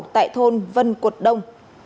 tại thôn vân quật đông